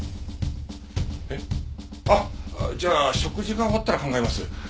えっ？あっじゃあ食事が終わったら考えます。